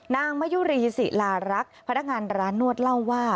นางมะยุรีศิลารักษ์พนักงานร้านนวดเล่าว่า